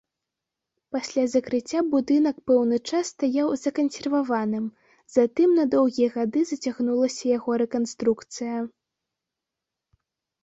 Пасля закрыцця будынак пэўны час стаяў закансерваваным, затым на доўгія гады зацягнулася яго рэканструкцыя.